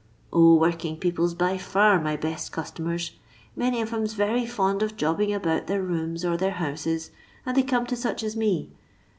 O, working people 'a by far my best customers. Many of 'em 'a very fond of jobbing about their rooms or their houses, and they come to such as me.